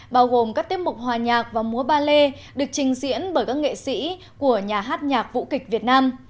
bao gồm các tiết mục hòa nhạc và múa ba lê được trình diễn bởi các nghệ sĩ của nhà hát nhạc vũ kịch việt nam